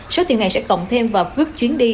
số tiền này sẽ tổng thêm vào phước chuyến đi